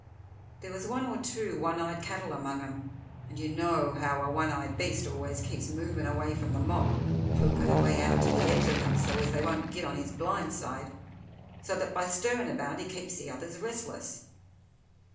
There was one or two one eyed cattle among 'em and you know how a one eyed beast always keeps movin' away from the mob, pokin' away out to the edge of them so as they won't git on his blind side, so that by stirrin' about he keeps the others restless.